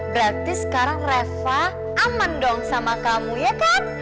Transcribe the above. berarti sekarang reva aman dong sama kamu ya kan